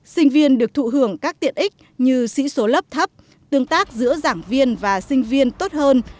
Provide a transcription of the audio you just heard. sinh viên được thụ hưởng các tiện ích như sĩ số lớp thấp tương tác giữa giảng viên và sinh viên tốt hơn